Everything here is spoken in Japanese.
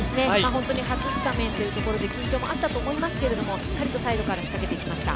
初スタメンというところで緊張もあったと思いますがしっかりとサイドから仕掛けていきました。